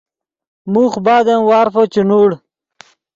موخ بعد ام وارفو چے نوڑ